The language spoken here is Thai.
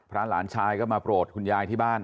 หลานชายก็มาโปรดคุณยายที่บ้าน